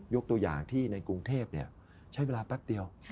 ตัวอย่างที่ในกรุงเทพใช้เวลาแป๊บเดียว